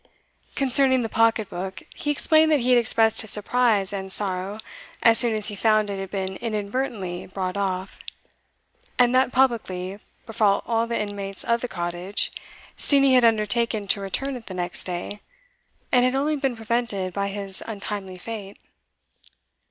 Concerning the pocket book, he explained that he had expressed his surprise and sorrow as soon as he found it had been inadvertently brought off: and that publicly, before all the inmates of the cottage, Steenie had undertaken to return it the next day, and had only been prevented by his untimely fate.